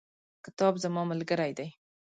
کتاب زما ملګری.